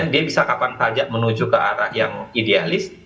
dia bisa kapan saja menuju ke arah yang idealis